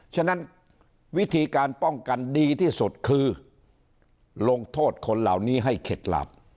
ฉะนั้นวิธีการป้องกันดีที่สุดคือลงโทษคนเหล่านี้ให้เข็ดหลาบ